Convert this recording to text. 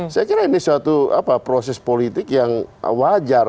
saya kira ini suatu proses politik yang wajar